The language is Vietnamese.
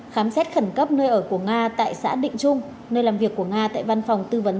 khám xét khẩn cấp nơi ở của nga tại xã định trung nơi làm việc của nga tại văn phòng tư vấn